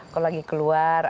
kalau lagi keluar